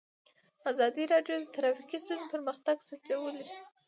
ازادي راډیو د ټرافیکي ستونزې پرمختګ سنجولی.